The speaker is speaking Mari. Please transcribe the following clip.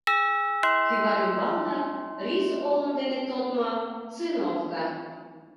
Кӱвар ӱмбалне — рис олым дене тодмо циновка.